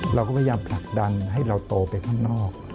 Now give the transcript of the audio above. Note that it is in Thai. เราก็พยายามผลักดันให้เราโตไปข้างนอก